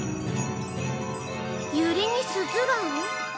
ユリにスズラン？